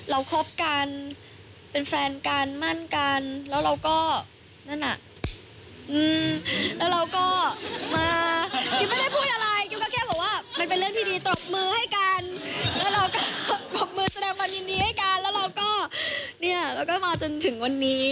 แล้วก็มาจนถึงวันนี้